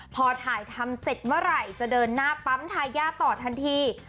พอถ่ายทำเสร็จเมื่อไหร่จะเดินหน้าปั๊มทายาทต่อทันที